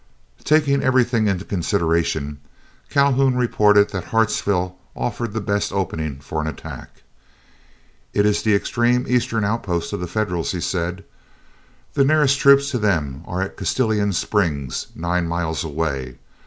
Taking everything into consideration, Calhoun reported that Hartsville offered the best opening for an attack. "It is the extreme eastern outpost of the Federals," he said. "The nearest troops to them are at Castalian Springs, nine miles away.